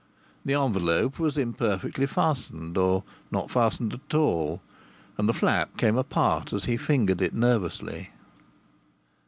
The envelope was imperfectly fastened, or not fastened at all, and the flap came apart as he fingered it nervously.